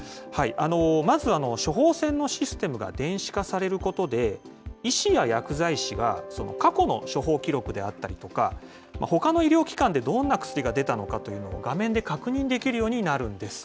まず、処方箋のシステムが電子化されることで、医師や薬剤師が過去の処方記録であったりとか、ほかの医療機関でどんな薬が出たのかというのを画面で確認できるようになるんです。